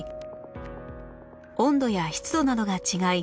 温度や湿度などが違い